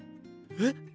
えっ！